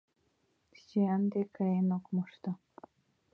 Сӱанде каен ок мошто.